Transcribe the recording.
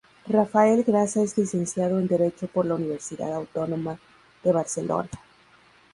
Rafael Grasa es licenciado en Derecho por la Universidad Autónoma de Barcelona.